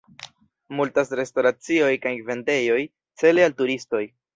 Multas restoracioj kaj vendejoj cele al turistoj.